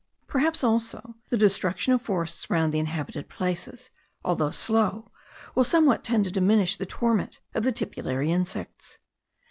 Perhaps, also, the destruction of forests round the inhabited places, although slow, will somewhat tend to diminish the torment of the tipulary insects.